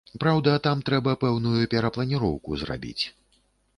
Праўда, там трэба пэўную перапланіроўку зрабіць.